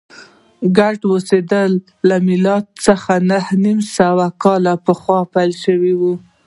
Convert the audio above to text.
ګډ اوسېدل له میلاد څخه نهه نیم سوه کاله پخوا پیل شوي و